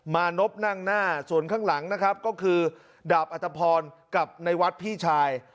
มานพนั่งหน้าส่วนข้างหลังนะครับก็คือดาบอัตภพรกับในวัดพี่ชาย